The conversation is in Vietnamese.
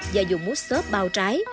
và dùng mút xốp bao trái